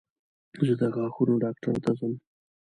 زه د غاښونو ډاکټر ته ځم.